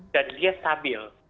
dan dia stabil